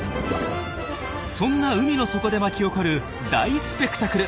そんな海の底で巻き起こる大スペクタクル。